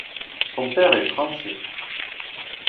Son père est français.